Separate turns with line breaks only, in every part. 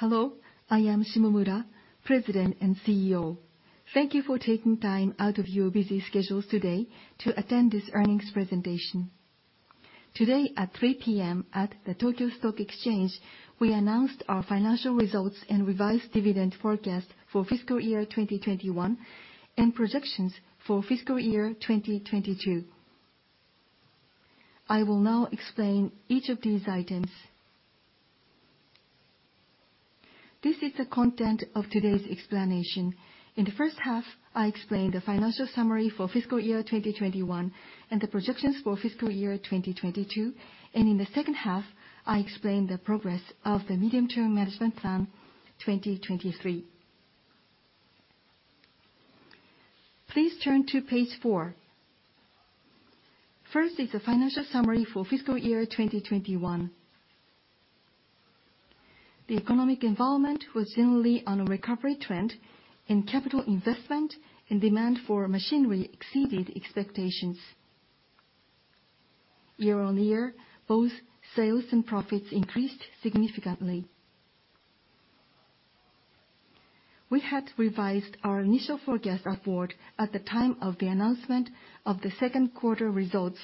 Hello, I am Shimomura, President and CEO. Thank you for taking time out of your busy schedules today to attend this earnings presentation. Today, at 3:00 P.M. at the Tokyo Stock Exchange, we announced our financial results and revised dividend forecast for fiscal year 2021, and projections for fiscal year 2022. I will now explain each of these items. This is the content of today's explanation. In the first half, I explain the financial summary for fiscal year 2021, and the projections for fiscal year 2022. In the second half, I explain the progress of the Medium-Term Management Plan 2023. Please turn to page 4. First is the financial summary for fiscal year 2021. The economic environment was generally on a recovery trend, and capital investment and demand for machinery exceeded expectations. Year-on-year, both sales and profits increased significantly. We had revised our initial forecast upward at the time of the announcement of the second quarter results.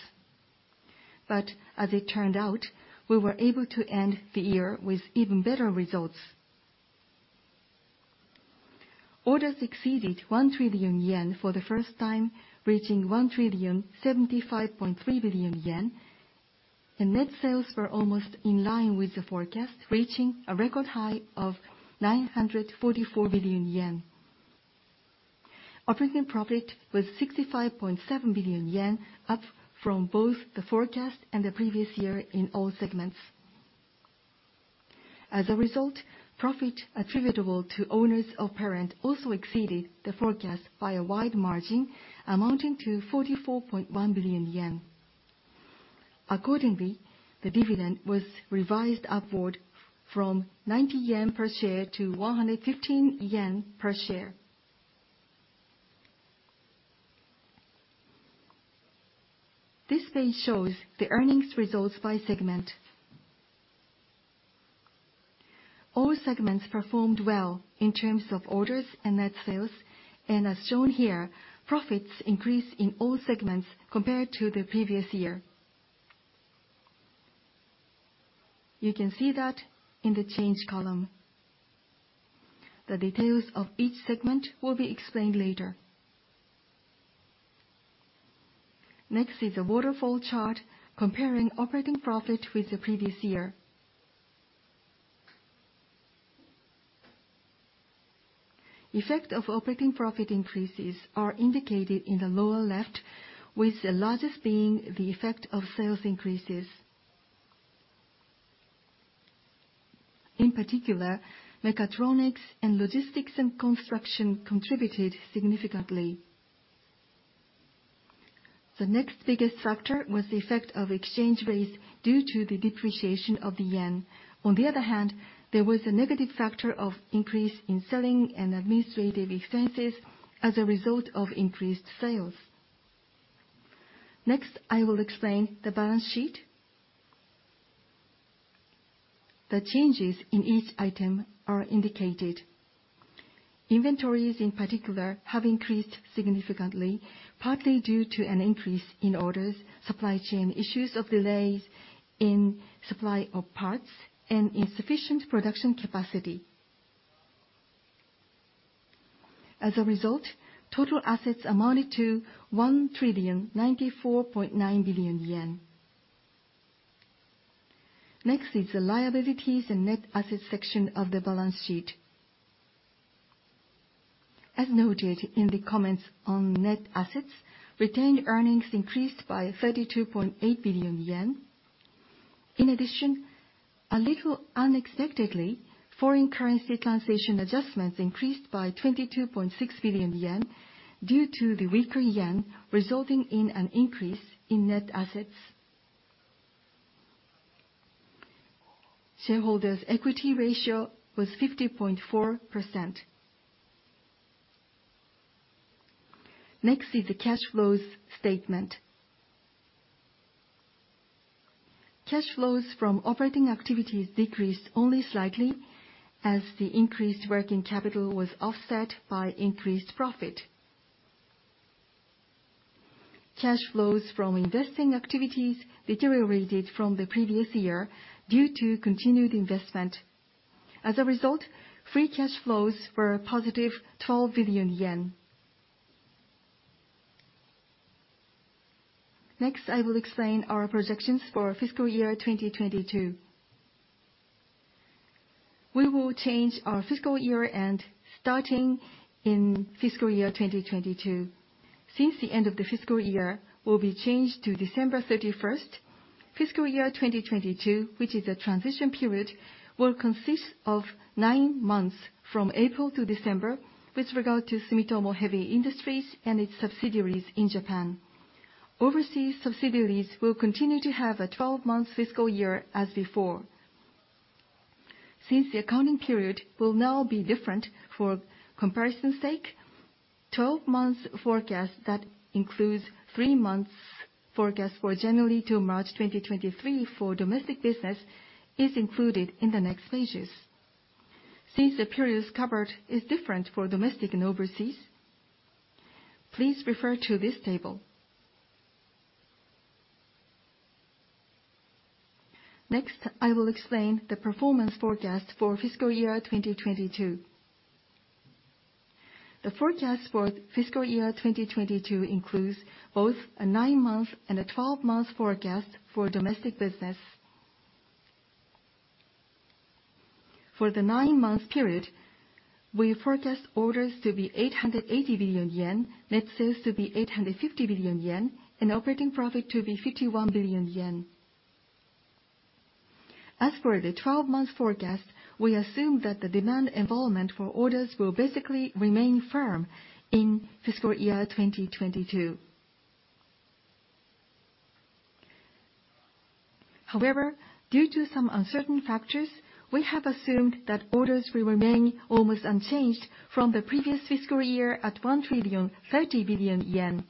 As it turned out, we were able to end the year with even better results. Orders exceeded 1 trillion yen for the first time, reaching 1,075.3 billion yen. Net sales were almost in line with the forecast, reaching a record high of 944 billion yen. Operating profit was 65.7 billion yen, up from both the forecast and the previous year in all segments. As a result, profit attributable to owners of parent also exceeded the forecast by a wide margin, amounting to 44.1 billion yen. Accordingly, the dividend was revised upward from 90 yen per share to 115 yen per share. This page shows the earnings results by segment. All segments performed well in terms of orders and net sales. As shown here, profits increased in all segments compared to the previous year. You can see that in the change column. The details of each segment will be explained later. Next is a waterfall chart comparing operating profit with the previous year. Effect of operating profit increases are indicated in the lower left, with the largest being the effect of sales increases. In particular, Mechatronics and Logistics & Construction contributed significantly. The next biggest factor was the effect of exchange rates due to the depreciation of the yen. On the other hand, there was a negative factor of increase in selling and administrative expenses as a result of increased sales. Next, I will explain the balance sheet. The changes in each item are indicated. Inventories, in particular, have increased significantly, partly due to an increase in orders, supply chain issues of delays in supply of parts, and insufficient production capacity. As a result, total assets amounted to 1,094.9 billion yen. Next is the liabilities and net assets section of the balance sheet. As noted in the comments on net assets, retained earnings increased by 32.8 billion yen. In addition, a little unexpectedly, foreign currency translation adjustments increased by 22.6 billion yen due to the weaker yen, resulting in an increase in net assets. Shareholders' equity ratio was 50.4%. Next is the cash flows statement. Cash flows from operating activities decreased only slightly as the increased working capital was offset by increased profit. Cash flows from investing activities deteriorated from the previous year due to continued investment. As a result, free cash flows were a positive 12 billion yen. Next, I will explain our projections for fiscal year 2022. We will change our fiscal year end starting in fiscal year 2022. Since the end of the fiscal year will be changed to December 31st, fiscal year 2022, which is a transition period, will consist of nine months from April to December with regard to Sumitomo Heavy Industries and its subsidiaries in Japan. Overseas subsidiaries will continue to have a 12-month fiscal year as before. Since the accounting period will now be different for comparison's sake, 12 months forecast that includes three months forecast for January to March 2023 for domestic business is included in the next pages. Since the periods covered is different for domestic and overseas, please refer to this table. Next, I will explain the performance forecast for fiscal year 2022. The forecast for fiscal year 2022 includes both a nine-month and a 12-month forecast for domestic business. For the nine-month period, we forecast orders to be 880 billion yen, net sales to be 850 billion yen, and operating profit to be 51 billion yen. As for the 12-month forecast, we assume that the demand environment for orders will basically remain firm in fiscal year 2022. However, due to some uncertain factors, we have assumed that orders will remain almost unchanged from the previous fiscal year at 1,030 billion yen.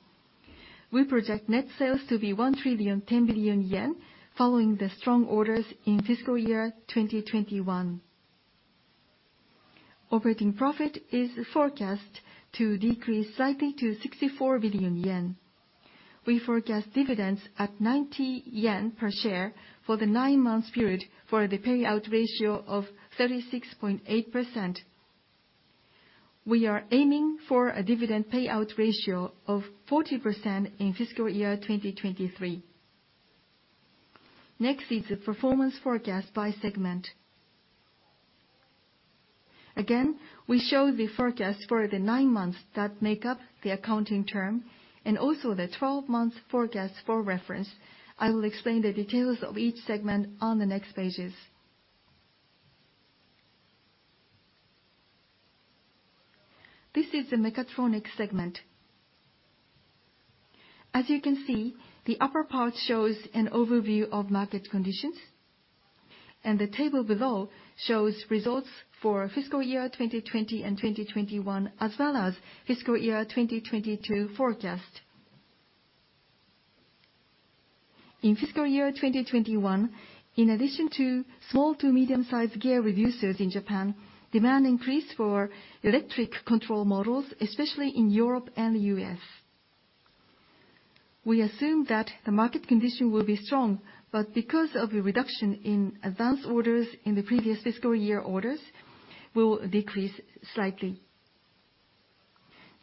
We project net sales to be 1,010 billion yen, following the strong orders in fiscal year 2021. Operating profit is forecast to decrease slightly to 64 billion yen. We forecast dividends at 90 yen per share for the nine-month period for the payout ratio of 36.8%. We are aiming for a dividend payout ratio of 40% in fiscal year 2023. Next is the performance forecast by segment. Again, we show the forecast for the nine months that make up the accounting term and also the 12-month forecast for reference. I will explain the details of each segment on the next pages. This is the Mechatronics segment. As you can see, the upper part shows an overview of market conditions, and the table below shows results for fiscal year 2020 and 2021, as well as fiscal year 2022 forecast. In fiscal year 2021, in addition to small to medium-sized gear reducers in Japan, demand increased for electric control models, especially in Europe and the U.S. We assume that the market condition will be strong, but because of a reduction in advanced orders in the previous fiscal year, orders will decrease slightly.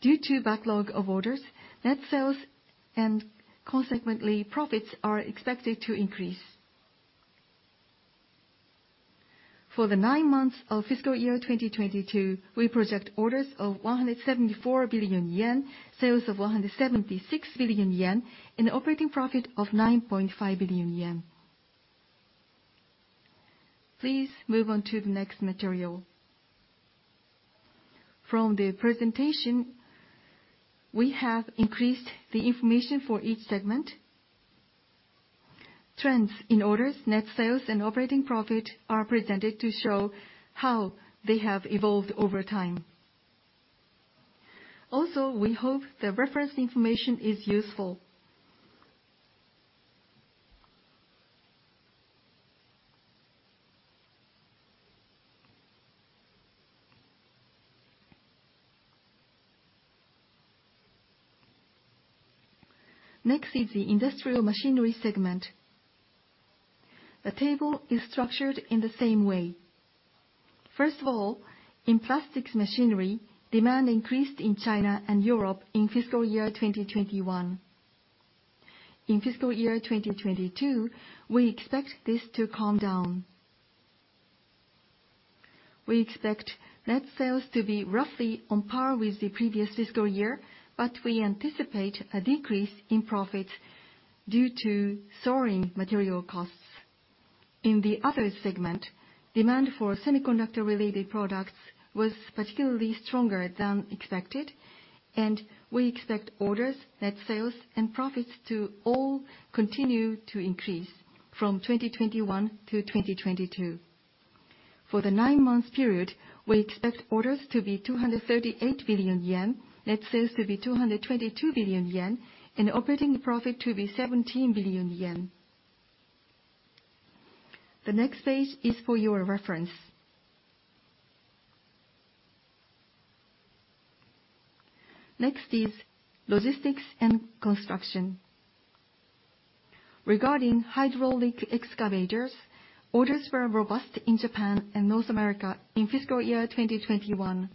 Due to backlog of orders, net sales and consequently, profits are expected to increase. For the nine months of fiscal year 2022, we project orders of 174 billion yen, sales of 176 billion yen, and operating profit of 9.5 billion yen. Please move on to the next material. From the presentation, we have increased the information for each segment. Trends in orders, net sales, and operating profit are presented to show how they have evolved over time. Also, we hope the reference information is useful. Next is the Industrial Machinery segment. The table is structured in the same way. First of all, in Plastics Machinery, demand increased in China and Europe in fiscal year 2021. In fiscal year 2022, we expect this to calm down. We expect net sales to be roughly on par with the previous fiscal year, but we anticipate a decrease in profits due to soaring material costs. In the other segment, demand for semiconductor-related products was particularly stronger than expected, and we expect orders, net sales, and profits to all continue to increase from 2021 to 2022. For the nine-month period, we expect orders to be 238 billion yen, net sales to be 222 billion yen, and operating profit to be 17 billion yen. The next page is for your reference. Next is Logistics & Construction. Regarding hydraulic excavators, orders were robust in Japan and North America in fiscal year 2021.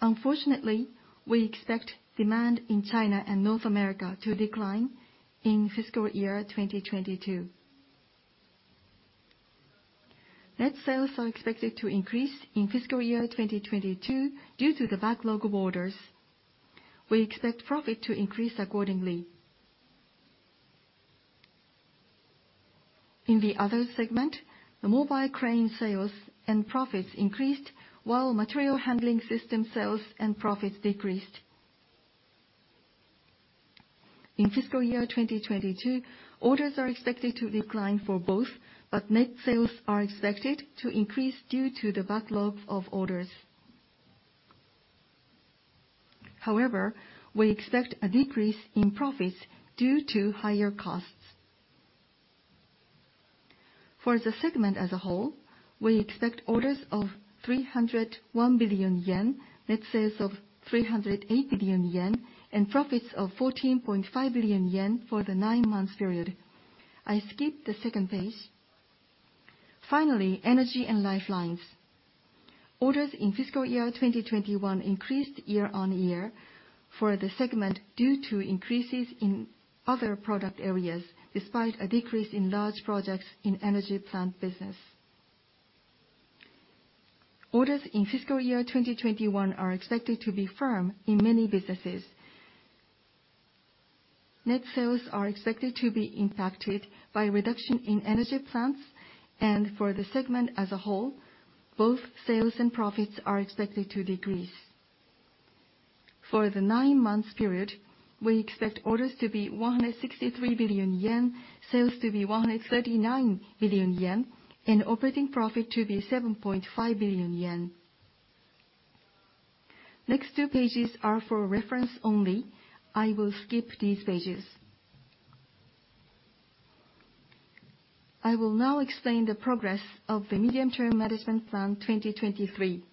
Unfortunately, we expect demand in China and North America to decline in fiscal year 2022. Net sales are expected to increase in fiscal year 2022 due to the backlog of orders. We expect profit to increase accordingly. In the other segment, the mobile crane sales and profits increased, while material handling system sales and profits decreased. In fiscal year 2022, orders are expected to decline for both, but net sales are expected to increase due to the backlog of orders. However, we expect a decrease in profits due to higher costs. For the segment as a whole, we expect orders of 301 billion yen, net sales of 308 billion yen, and profits of 14.5 billion yen for the nine-month period. I skip the second page. Finally, Energy & Lifeline. Orders in fiscal year 2021 increased year-on-year for the segment due to increases in other product areas, despite a decrease in large projects in energy plant business. Orders in fiscal year 2021 are expected to be firm in many businesses. Net sales are expected to be impacted by reduction in energy plants, and for the segment as a whole, both sales and profits are expected to decrease. For the nine months period, we expect orders to be 163 billion yen, sales to be 139 billion yen, and operating profit to be 7.5 billion yen. Next two pages are for reference only. I will skip these pages. I will now explain the progress of the Medium-Term Management Plan 2023.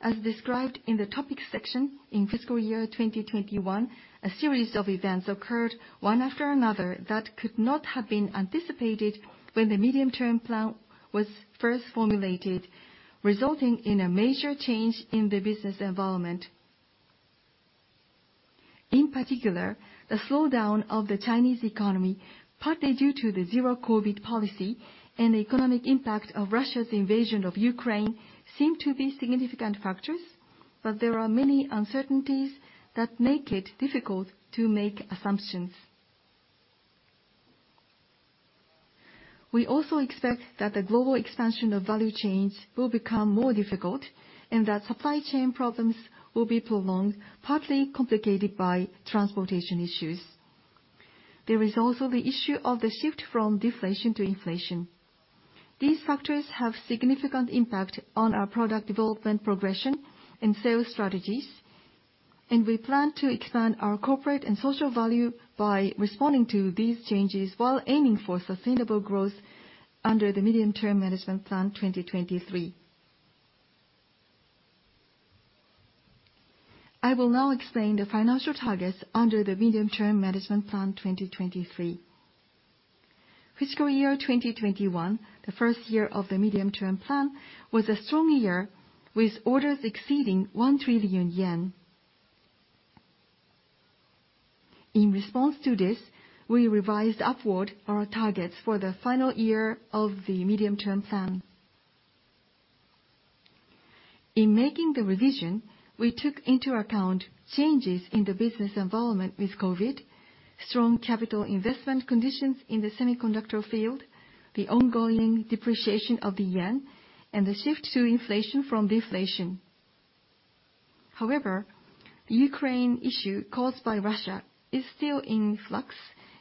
As described in the topics section, in fiscal year 2021, a series of events occurred one after another that could not have been anticipated when the Medium-Term Management Plan was first formulated, resulting in a major change in the business environment. In particular, the slowdown of the Chinese economy, partly due to the zero-COVID policy and the economic impact of Russia's invasion of Ukraine seem to be significant factors. There are many uncertainties that make it difficult to make assumptions. We also expect that the global expansion of value chains will become more difficult and that supply chain problems will be prolonged, partly complicated by transportation issues. There is also the issue of the shift from deflation to inflation. These factors have significant impact on our product development progression and sales strategies, and we plan to expand our corporate and social value by responding to these changes while aiming for sustainable growth under the Medium-Term Management Plan 2023. I will now explain the financial targets under the Medium-Term Management Plan 2023. Fiscal year 2021, the first year of the medium-term plan, was a strong year with orders exceeding JPY 1 trillion. In response to this, we revised upward our targets for the final year of the medium-term plan. In making the revision, we took into account changes in the business environment with COVID, strong capital investment conditions in the semiconductor field, the ongoing depreciation of the yen, and the shift to inflation from deflation. However, the Ukraine issue caused by Russia is still in flux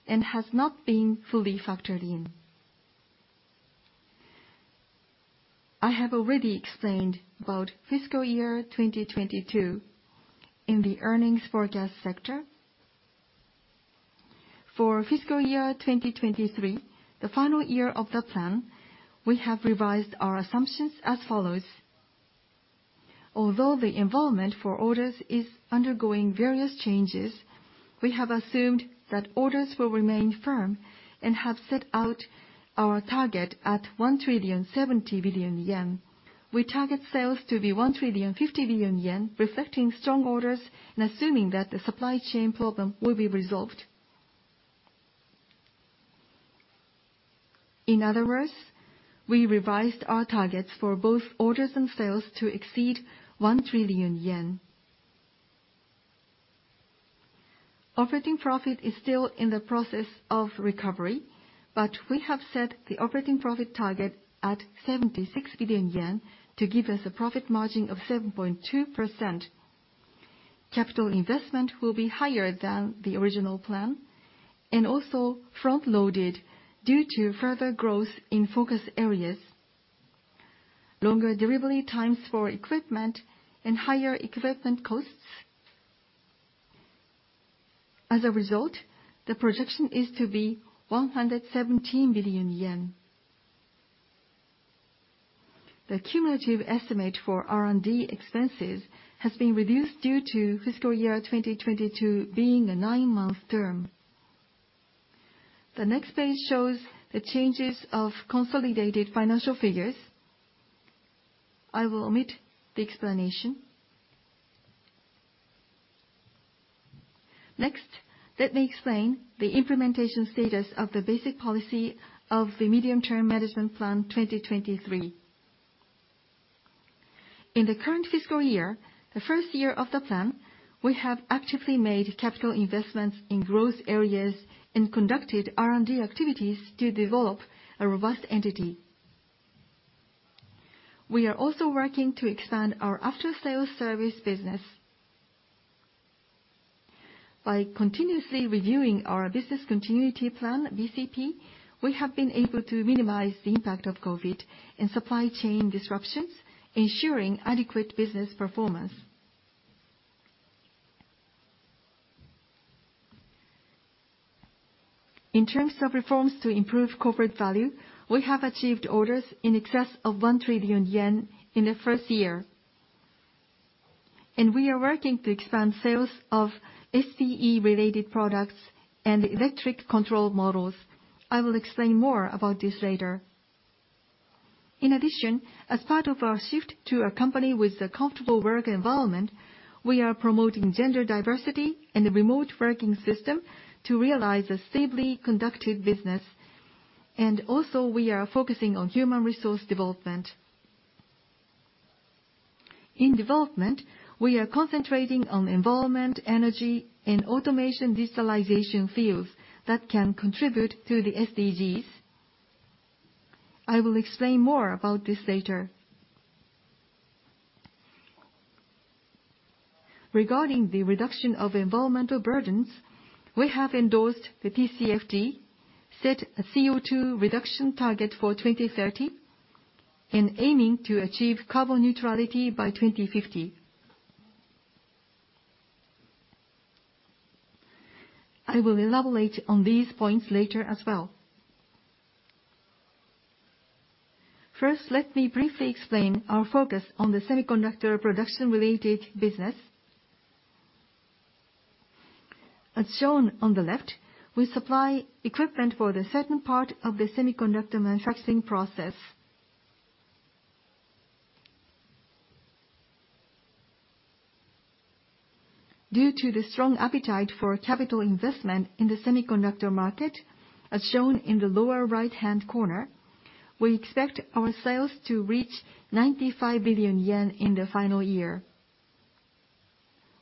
and has not been fully factored in. I have already explained about fiscal year 2022 in the earnings forecast sector. For fiscal year 2023, the final year of the plan, we have revised our assumptions as follows. Although the environment for orders is undergoing various changes, we have assumed that orders will remain firm and have set out our target at 1,070 billion yen. We target sales to be 1,050 billion yen, reflecting strong orders and assuming that the supply chain problem will be resolved. In other words, we revised our targets for both orders and sales to exceed 1 trillion yen. Operating profit is still in the process of recovery, but we have set the operating profit target at 76 billion yen to give us a profit margin of 7.2%. Capital investment will be higher than the original plan and also front-loaded due to further growth in focus areas, longer delivery times for equipment, and higher equipment costs. As a result, the projection is to be 117 billion yen. The cumulative estimate for R&D expenses has been reduced due to fiscal year 2022 being a nine-month term. The next page shows the changes of consolidated financial figures. I will omit the explanation. Next, let me explain the implementation status of the basic policy of the Medium-Term Management Plan 2023. In the current fiscal year, the first year of the plan, we have actively made capital investments in growth areas and conducted R&D activities to develop a robust entity. We are also working to expand our after-sales service business. By continuously reviewing our business continuity plan, BCP, we have been able to minimize the impact of COVID and supply chain disruptions, ensuring adequate business performance. In terms of reforms to improve corporate value, we have achieved orders in excess of 1 trillion yen in the first year, and we are working to expand sales of SCE related products and electric control models. I will explain more about this later. In addition, as part of our shift to a company with a comfortable work environment, we are promoting gender diversity and a remote working system to realize a stably conducted business. We are focusing on human resource development. In development, we are concentrating on environment, energy, and automation digitalization fields that can contribute to the SDGs. I will explain more about this later. Regarding the reduction of environmental burdens, we have endorsed the TCFD, set a CO2 reduction target for 2030, and aiming to achieve carbon neutrality by 2050. I will elaborate on these points later as well. First, let me briefly explain our focus on the semiconductor production related business. As shown on the left, we supply equipment for the certain part of the semiconductor manufacturing process. Due to the strong appetite for capital investment in the semiconductor market, as shown in the lower right-hand corner, we expect our sales to reach 95 billion yen in the final year.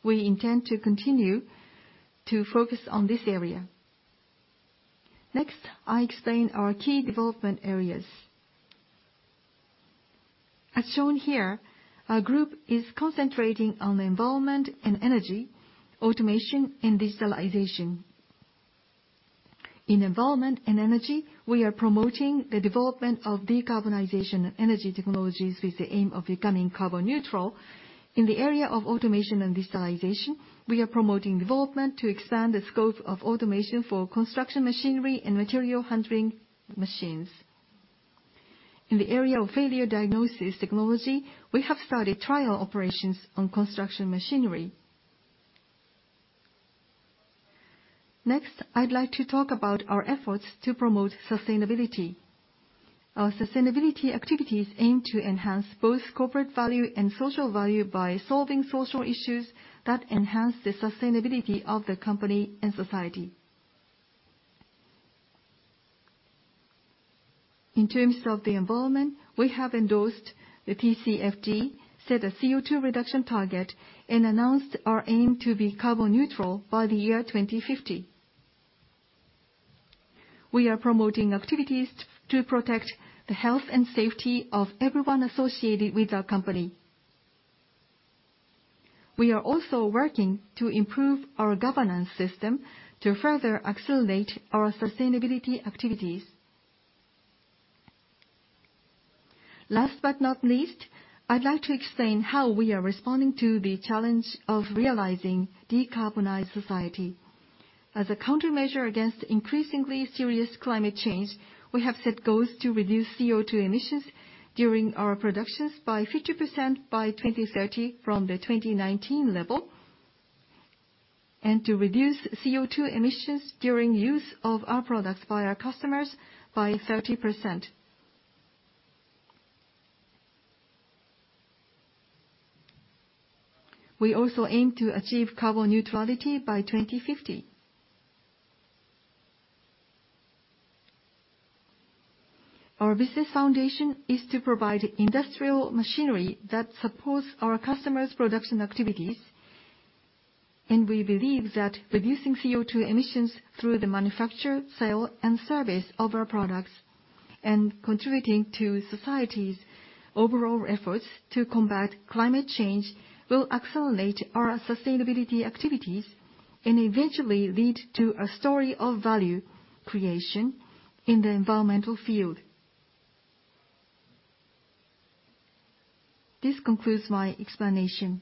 We intend to continue to focus on this area. Next, I explain our key development areas. As shown here, our group is concentrating on the environment and energy, automation, and digitalization. In environment and energy, we are promoting the development of decarbonization and energy technologies with the aim of becoming carbon neutral. In the area of automation and digitalization, we are promoting development to expand the scope of automation for construction machinery and material handling machines. In the area of failure diagnosis technology, we have started trial operations on construction machinery. Next, I'd like to talk about our efforts to promote sustainability. Our sustainability activities aim to enhance both corporate value and social value by solving social issues that enhance the sustainability of the company and society. In terms of the environment, we have endorsed the TCFD, set a CO2 reduction target, and announced our aim to be carbon neutral by the year 2050. We are promoting activities to protect the health and safety of everyone associated with our company. We are also working to improve our governance system to further accelerate our sustainability activities. Last but not least, I'd like to explain how we are responding to the challenge of realizing decarbonized society. As a countermeasure against increasingly serious climate change, we have set goals to reduce CO2 emissions during our productions by 50% by 2030 from the 2019 level, and to reduce CO2 emissions during use of our products by our customers by 30%. We also aim to achieve carbon neutrality by 2050. Our business foundation is to provide Industrial Machinery that supports our customers' production activities, and we believe that reducing CO2 emissions through the manufacture, sale, and service of our products, and contributing to society's overall efforts to combat climate change, will accelerate our sustainability activities and eventually lead to a story of value creation in the environmental field. This concludes my explanation.